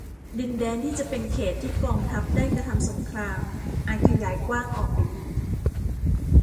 ดินแดนที่จะเป็นเขตต์ที่กองทัพได้กระทำสงครามอาจขยายกว้างออกไปอีก